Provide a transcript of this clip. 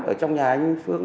ở trong nhà anh phương